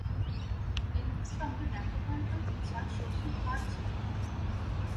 বিন্দুর সঙ্গে দেখা করিবার ইচ্ছা শশীর আর ছিল না।